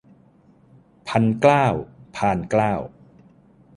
พันเกล้า พานเกล้า